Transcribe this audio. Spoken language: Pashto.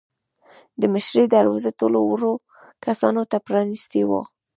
د مشرۍ دروازه ټولو وړو کسانو ته پرانیستې وه.